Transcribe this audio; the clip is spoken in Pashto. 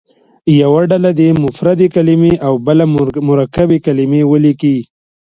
یوه ډله دې مفردې کلمې او بله مرکبې کلمې ولیکي.